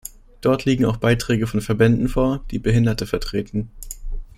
Dort liegen auch Beiträge von Verbänden vor, die Behinderte vertreten.